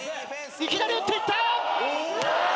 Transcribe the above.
いきなり打っていった！